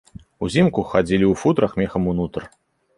Узімку хадзілі ў футрах мехам унутр.